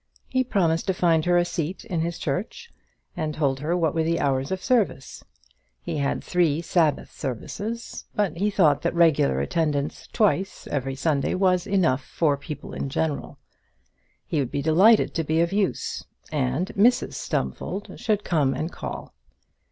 He promised to find her a seat in his church, and told her what were the hours of service. He had three "Sabbath services," but he thought that regular attendance twice every Sunday was enough for people in general. He would be delighted to be of use, and Mrs Stumfold should come and call.